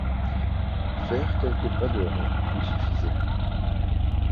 Faire quelques pas dehors lui suffisait.